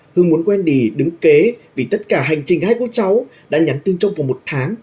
hương muốn wendy đứng kế vì tất cả hành trình hai cô cháu đã nhắn tương trong vòng một tháng